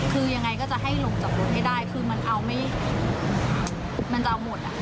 คือยังไงก็จะให้ลงจากรถให้ได้คือมันเอาไม่มันจะเอาหมดอ่ะ